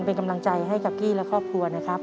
เป็นกำลังใจให้กับกี้และครอบครัวนะครับ